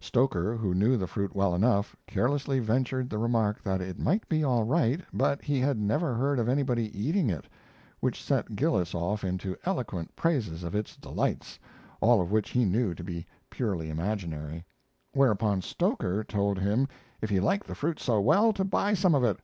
Stoker, who knew the fruit well enough, carelessly ventured the remark that it might be all right, but he had never heard of anybody eating it, which set Gillis off into eloquent praises of its delights, all of which he knew to be purely imaginary; whereupon Stoker told him if he liked the fruit so well, to buy some of it.